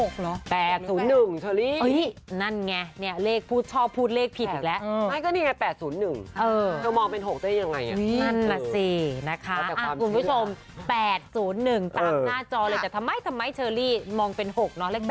คุณผู้ชม๘๐๑ตามหน้าจอเลยแต่ทำไมเชอรี่มองเป็น๖เนาะเลข๑